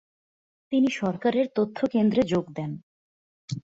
তিনি সরকারের তথ্যকেন্দ্রে যোগ দেন।